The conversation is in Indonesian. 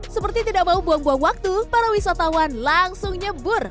seperti tidak mau buang buang waktu para wisatawan langsung nyebur